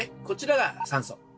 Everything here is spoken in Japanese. こちらが「酸素」